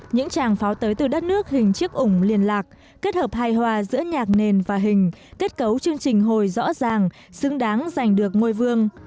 những tràng pháo tới từ đất nước hình chiếc ủng liên lạc kết hợp hài hòa giữa nhạc nền và hình kết cấu chương trình hồi rõ ràng xứng đáng giành được ngôi vương